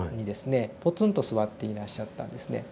ポツンと座っていらっしゃったんですね。